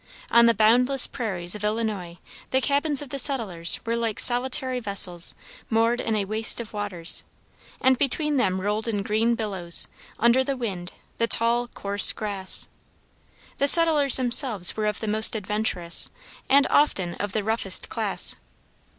On the boundless prairies of Illinois the cabins of the settlers were like solitary vessels moored in a waste of waters, and between them rolled in green billows, under the wind, the tall, coarse grass. The settlers themselves were of the most adventurous and often of the roughest class.